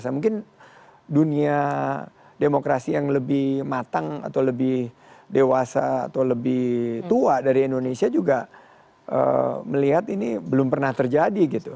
mungkin dunia demokrasi yang lebih matang atau lebih dewasa atau lebih tua dari indonesia juga melihat ini belum pernah terjadi gitu